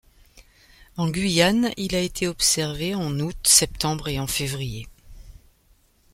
En Guyane il a été observé en août septembre et en février.